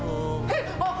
えっ！